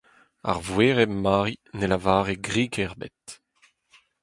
Ar voereb Mari ne lavare grik ebet.